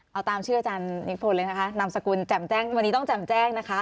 เอาตามชื่ออาจารย์นิพลเลยนะคะนามสกุลแจ่มแจ้งวันนี้ต้องแจ่มแจ้งนะคะ